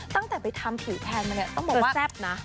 ตั้งแต่ทำไปทำผิวแทนมาเนี่ยต้องกลับบอกว่า